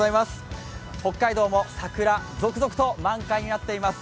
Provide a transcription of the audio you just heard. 北海道も桜、続々と満開になっています。